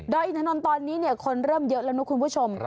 อินทนนท์ตอนนี้คนเริ่มเยอะแล้วนะคุณผู้ชม